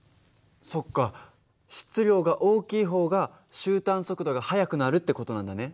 そっか質量が大きい方が終端速度が速くなるって事なんだね。